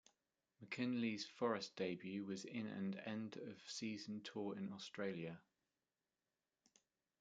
McInally's Forest debut was in and end of season tour in Australia.